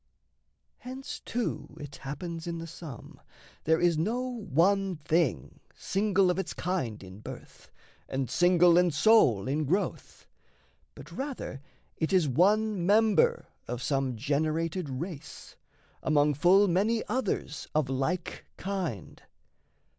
Hence too it happens in the sum there is No one thing single of its kind in birth, And single and sole in growth, but rather it is One member of some generated race, Among full many others of like kind.